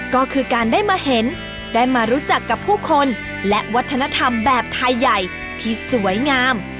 ก็คือการได้มาเห็นได้มารู้จักกับผู้คนและวัฒนธรรมแบบไทยใหญ่ที่สวยงาม